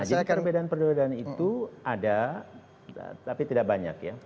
nah jadi perbedaan perbedaan itu ada tapi tidak banyak ya